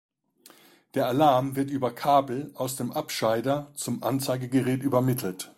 Der Alarm wird über Kabel aus dem Abscheider zum Anzeigegerät übermittelt.